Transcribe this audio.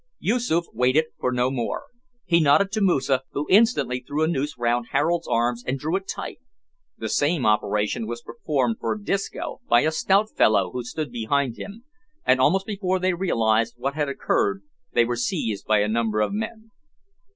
Yoosoof waited for no more. He nodded to Moosa, who instantly threw a noose round Harold's arms, and drew it tight. The same operation was performed for Disco, by a stout fellow who stood behind him, and almost before they realised what had occurred, they were seized by a number of men.